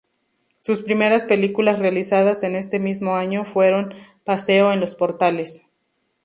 Sus primeras películas realizadas en este mismo año fueron: ¨Paseo en los Portales¨.